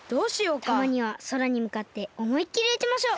たまにはそらにむかっておもいっきりうちましょう。